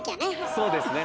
そうですね。